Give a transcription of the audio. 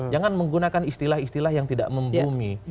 jangan menggunakan istilah istilah yang tidak membumi